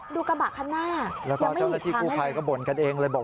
กระบะคันหน้าแล้วก็เจ้าหน้าที่กู้ภัยก็บ่นกันเองเลยบอก